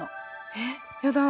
えっやだ！